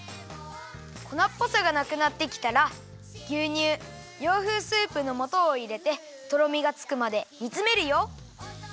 こなっぽさがなくなってきたらぎゅうにゅう洋風スープのもとをいれてとろみがつくまでにつめるよ。